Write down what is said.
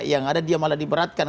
yang ada dia malah diberatkan